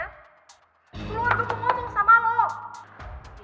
keluar gue mau ngomong sama lo